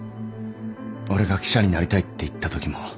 俺が記者になりたいって言ったときも。